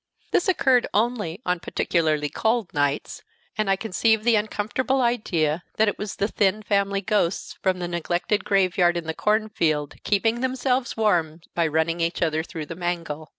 This occurred only on particularly cold nights, and I conceived the uncomfortable idea that it was the thin family ghosts, from the neglected graveyard in the cornfield, keeping themselves warm by running each other through the mangle.